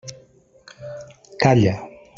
Calla!